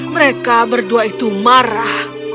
mereka berdua itu marah